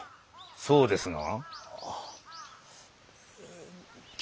そうですが？